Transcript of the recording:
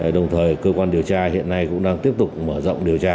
đồng thời cơ quan điều tra hiện nay cũng đang tiếp tục mở rộng điều tra